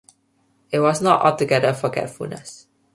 It was not altogether forgetfulness.